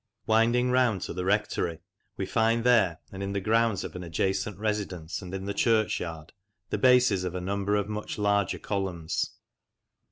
Winding round to the rectory we find there, and in the grounds of an adjacent residence and in the churchyard, the bases of a number of much 46 MEMORIALS OF OLD LANCASHIRE larger columns.